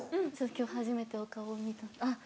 今日初めてお顔あっ。